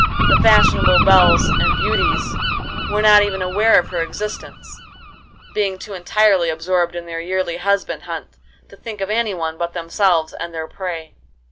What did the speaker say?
The fashionable belles and beauties were not even aware of her existence, being too entirely absorbed in their yearly husband hunt to think of any one but themselves and their prey.